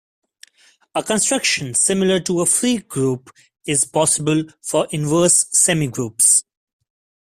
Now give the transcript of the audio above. A construction similar to a free group is possible for inverse semigroups.